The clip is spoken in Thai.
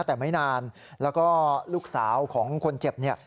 แต่ไม่นานแล้วก็ลูกสาวของคนเจ็บเนี่ย